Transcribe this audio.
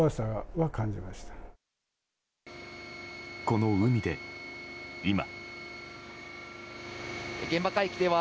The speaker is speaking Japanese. この海で、今。